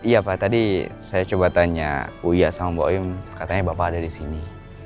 iya pak tadi saya coba tanya uya sama mbak wim katanya bapak ada di sini